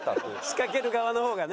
仕掛ける側の方がね。